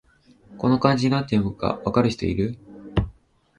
この漢字、なんて読むか分かる人いる？